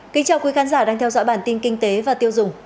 kính chào quý khán giả đang theo dõi bản tin kinh tế và tiêu dùng